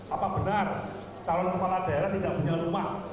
apa benar calon kepala daerah tidak punya rumah